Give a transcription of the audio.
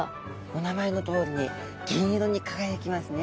お名前のとおりに銀色に輝きますね。